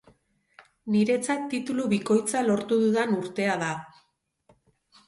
Niretzat titulu bikoitza lortu dudan urtea da.